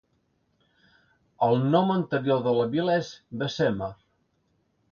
El nom anterior de la vila és Bessemer.